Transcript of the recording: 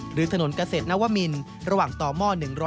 หรือถนนเกษตรนวมินระหว่างต่อหม้อ๑๐